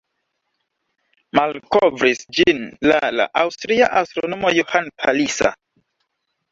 Malkovris ĝin la la aŭstria astronomo Johann Palisa.